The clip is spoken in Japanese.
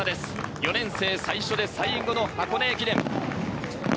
４年生、最初で最後の箱根駅伝。